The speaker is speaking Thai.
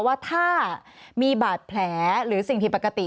ว่าถ้ามีบาดแผลหรือสิ่งผิดปกติ